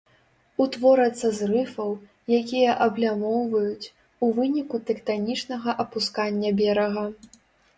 Утворацца з рыфаў, якія аблямоўваюць, у выніку тэктанічнага апускання берага.